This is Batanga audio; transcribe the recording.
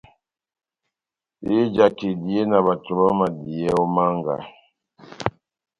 Ejaka ehidiye na bato bámadiyɛ ó manga,